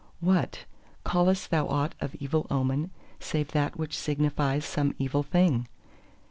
.. What, callest thou aught of evil omen save that which signifies some evil thing?